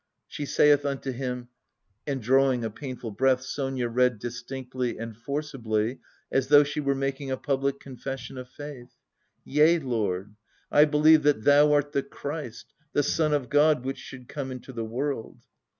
"She saith unto Him," (And drawing a painful breath, Sonia read distinctly and forcibly as though she were making a public confession of faith.) "Yea, Lord: I believe that Thou art the Christ, the Son of God Which should come into the world."